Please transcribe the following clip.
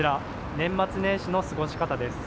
年末年始の過ごし方です。